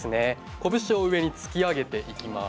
こぶしを上に突き上げていきます。